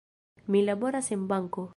Mi laboras en banko.